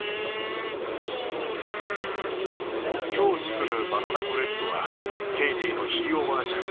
今日作るバナナブレッドはケイティのひいおばあちゃん